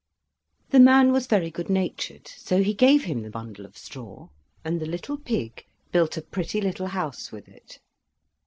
The man was very good natured, so he gave him the bundle of straw, and the little pig built a pretty little house with it.